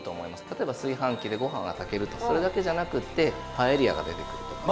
例えば炊飯器でごはんが炊けるとそれだけじゃなくてパエリアが出てくるとか。